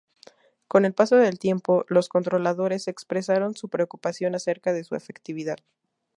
Con el paso del tiempo, los Controladores expresaron su preocupación acerca de su efectividad.